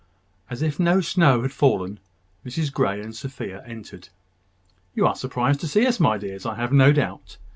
As if no snow had fallen, Mrs Grey and Sophia entered. "You are surprised to see us, my dears, I have no doubt.